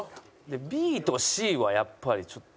ＢとかＣはやっぱりちょっと。